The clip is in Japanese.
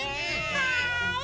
はい！